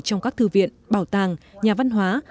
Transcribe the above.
trong các thư viện bảo tàng nhà văn hóa